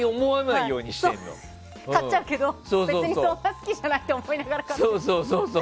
買っちゃうけど別にそんな好きじゃないって思いながら買ってる。